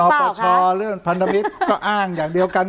หรือประชาหรือพันธมิตรก็อ้างอย่างเดียวกัน